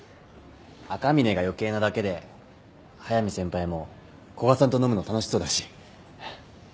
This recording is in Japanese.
赤嶺が余計なだけで速見先輩も古賀さんと飲むの楽しそうだし。